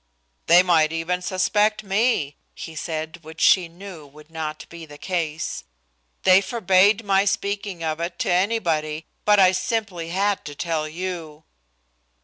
"They might even suspect me," he said, which she knew would not be the case. "They forbade my speaking of it to anybody, but I simply had to tell you."